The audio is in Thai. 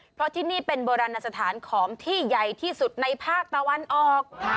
เพราะที่นี่เป็นโบราณสถานขอมที่ใหญ่ที่สุดในภาคตะวันออก